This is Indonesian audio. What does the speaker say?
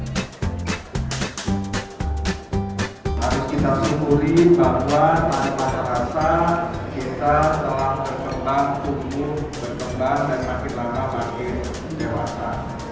harus kita syukuri bahwa pariwisata kita telah berperan tumbuh berkembang dan makin lama makin dewasa